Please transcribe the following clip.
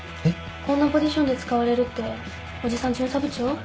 こんなポジションで使われるっておじさん巡査部長？